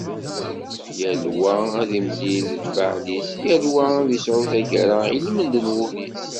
Yall wa ad d-imlil d lfeɛl-is, yall wa ad isɛu taggara ilmend n wul-is.